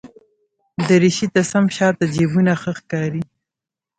دریشي ته سم شاته جېبونه ښه ښکاري.